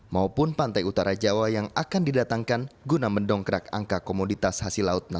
maupun pantai utara jawa yang akan didatangkan guna mendongkrak angka komoditas hasil laut